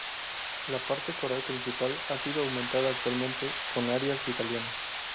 La parte coral principal ha sido aumentada actualmente con arias italianas.